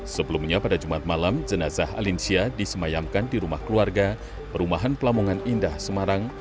sebelumnya pada jumat malam jenazah alinsya disemayamkan di rumah keluarga perumahan pelamongan indah semarang